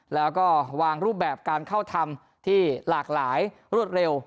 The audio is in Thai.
แล้วก็วางรูปแบบการเข้าทำที่หลากหลายรวดเร็ว